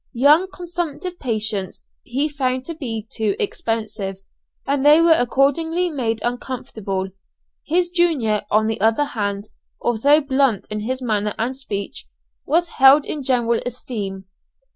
Young consumptive patients he found to be too expensive, and they were accordingly made uncomfortable. His junior, on the other hand, although blunt in his manner and speech, was held in general esteem.